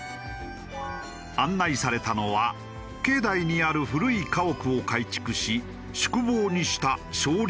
案内されたのは境内にある古い家屋を改築し宿坊にした松林庵。